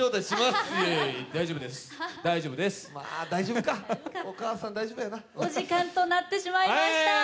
大丈夫です！お時間となってしまいました。